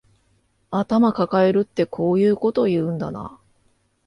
頭かかえるってこういうこと言うんだな